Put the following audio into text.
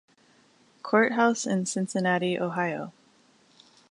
Courthouse in Cincinnati, Ohio.